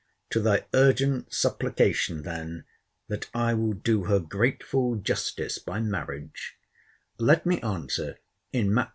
To thy urgent supplication then, that I will do her grateful justice by marriage, let me answer in Matt.